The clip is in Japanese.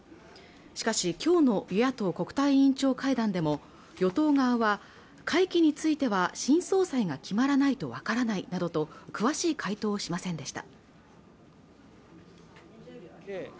しかし今日の野党国対委員長会談でも与党側は会期については新総裁が決まらないと分からないなどと詳しい回答をしませんでした